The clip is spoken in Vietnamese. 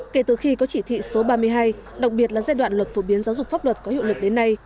kể từ khi có chỉ thị số ba mươi hai đặc biệt là giai đoạn luật phổ biến giáo dục pháp luật có hiệu lực đến nay